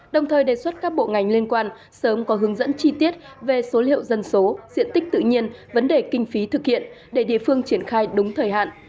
đồng thời đề xuất các bộ ngành liên quan sớm có hướng dẫn chi tiết về số liệu dân số diện tích tự nhiên vấn đề kinh phí thực hiện để địa phương triển khai đúng thời hạn